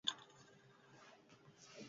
Nafarroako Auzitegi Nagusian ere izan zen.